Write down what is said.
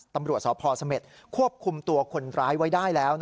ตำรวจสพเสม็ดควบคุมตัวคนร้ายไว้ได้แล้ว